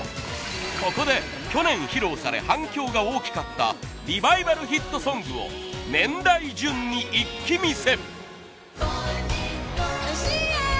ここで去年披露され反響が大きかったリバイバルヒットソングを年代順に一気見せ！